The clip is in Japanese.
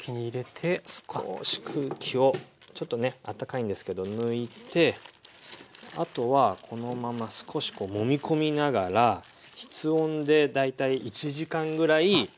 少し空気をちょっとねあったかいんですけど抜いてあとはこのまま少しもみ込みながら室温で大体１時間ぐらいおいて。